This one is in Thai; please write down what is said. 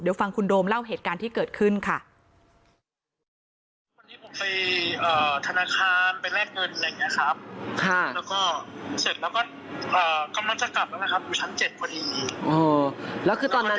เดี๋ยวฟังคุณโดมเล่าเหตุการณ์ที่เกิดขึ้นค่ะ